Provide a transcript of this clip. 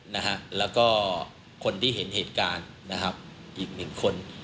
แลี่ยกอคนที่เห็นเหตุการณ์อีก๑คน